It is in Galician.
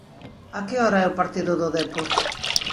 A que hora é o partido do Dépor?